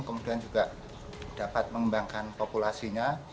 kemudian juga dapat mengembangkan populasinya